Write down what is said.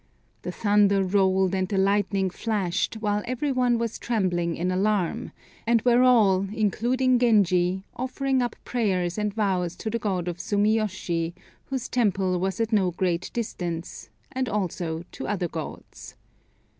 The thunder rolled and the lightning flashed, while everyone was trembling in alarm, and were all, including Genji, offering up prayers and vows to the God of Sumiyoshi, whose temple was at no great distance, and also to other gods.